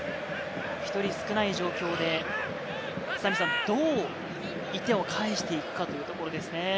１人少ない状況でどう１点を返して行くかというところですね。